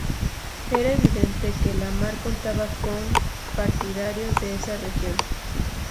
Era evidente que La Mar contaba con partidarios en esa región.